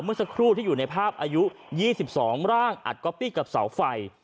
เมื่อสักครู่ที่อยู่ในภาพอายุ๒๒ร่างอัดก๊อปปี้กับเสาไฟ